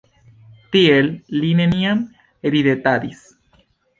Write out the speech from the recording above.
Tiel li neniam ridetadis.